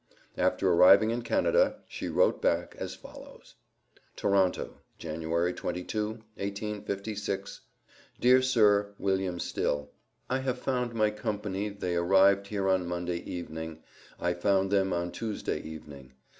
After arriving in Canada, she wrote back as follows: TORONTO, Jan. 22, 1856. DEAR SIR: WILLIAM STILL I have found my company they arrived here on monday eving I found them on tusday evening.